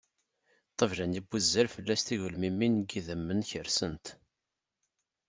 Ṭṭabla-nni n wuzzal fell-as tigelmimin n yidammen kersent.